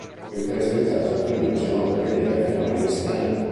Ben presto in casa cominciano ad avvenire fenomeni strani...